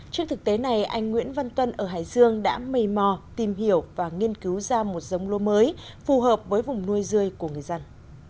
trước thực tế này anh nguyễn văn tuân ở hải dương đã mây mò tìm hiểu và nghiên cứu ra một giống lúa mới phù hợp với vùng nuôi rơi của người dân